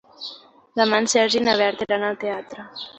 Demà en Sergi i na Berta iran al teatre.